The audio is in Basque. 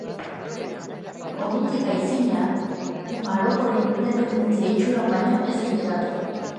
Ordutik aitzina, Marokoren independentzia itxuran baino ez zen geratu.